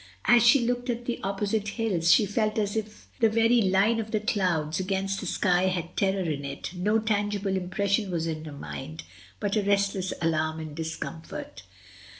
As she looked at the opposite hiUs, she felt as if the very line of the clouds against the sky had terror in it. No tangible impression was in her mind, bnt a restless alarm and discomfort.